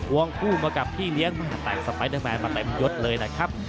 วงผู้มากับที่เลี้ยงมหาธนาคมสไปร์เตอร์แมนประเป็นยดเลยนะครับ